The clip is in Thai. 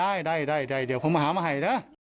ได้ได้เดี๋ยวผมหามาให้นะ